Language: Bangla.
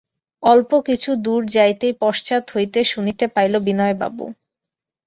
অল্প একটু দূর যাইতেই পশ্চাৎ হইতে শুনিতে পাইল, বিনয়বাবু।